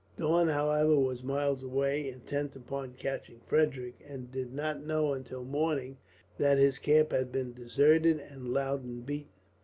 Daun, however, was miles away, intent upon catching Frederick; and did not know until morning that his camp had been deserted, and Loudon beaten.